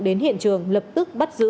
đến hiện trường lập tức bắt giữ